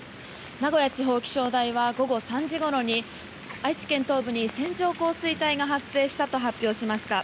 名古屋地方気象台は午後３時ごろに愛知県東部に線状降水帯が発生したと発表しました。